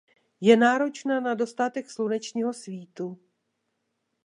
Je náročná na dostatek slunečního svitu.